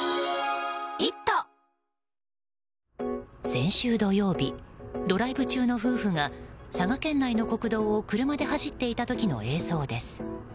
先週土曜日ドライブ中の夫婦が佐賀県内の国道を車で走っていた時の映像です。